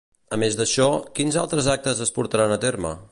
A més d'això, quins altres actes es portaran a terme?